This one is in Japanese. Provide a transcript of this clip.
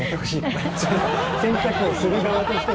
洗濯をする側としては。